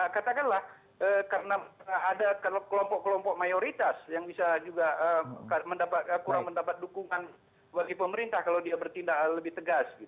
katakanlah karena ada kelompok kelompok mayoritas yang bisa juga kurang mendapat dukungan bagi pemerintah kalau dia bertindak lebih tegas